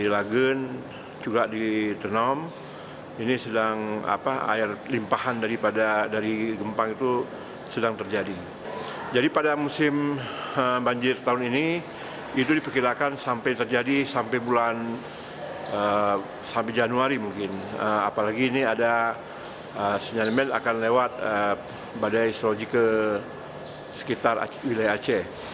lewat badai astrologi ke sekitar wilayah aceh